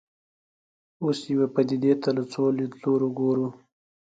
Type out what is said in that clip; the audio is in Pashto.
اوس یوې پدیدې ته له څو لیدلوریو ګورو.